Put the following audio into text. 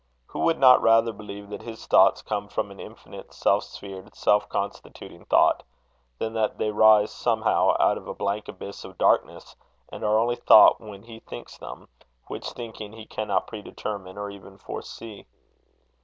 Who would not rather believe that his thoughts come from an infinite, self sphered, self constituting thought, than that they rise somehow out of a blank abyss of darkness, and are only thought when he thinks them, which thinking he cannot pre determine or even foresee?